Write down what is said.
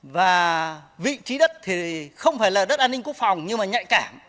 và vị trí đất thì không phải là đất an ninh quốc phòng nhưng mà nhạy cảm